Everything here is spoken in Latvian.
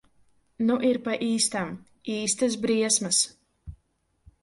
Nu ir pa īstam. Īstas briesmas.